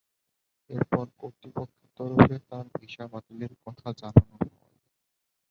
এরপর কর্তৃপক্ষের তরফে তাঁর ভিসা বাতিলের কথা জানানো হয়।